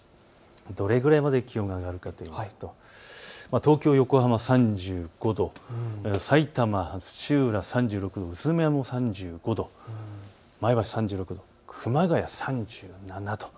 どれぐらいまで気温が上がるかといいますと東京、横浜３５度、さいたま、土浦、３６度、宇都宮も３５度、前橋３６度、熊谷３７度。